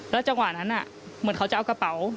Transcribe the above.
จังหวะนั้นเหมือนเขาจะเอากระเป๋า